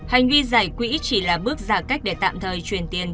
hành vi giải quỹ chỉ là bước giả cách để tạm thời truyền tiền